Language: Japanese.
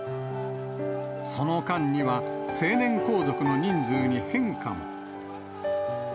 その間には、成年皇族の人数に変化も。